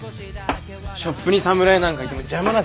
ショップに侍なんかいても邪魔なだけだし。